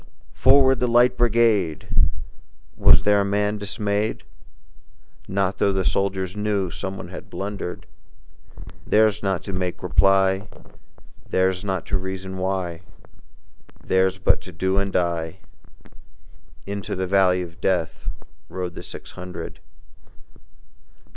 "Forward, the Light Brigade!" Was there a man dismayed? Not tho' the soldiers knew Someone had blundered: Theirs was not to make reply, Theirs was not to reason why, Theirs was but to do and die: Into the valley of Death Rode the six hundred.